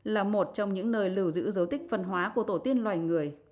là một trong những nơi lưu giữ dấu tích văn hóa của tổ tiên loài người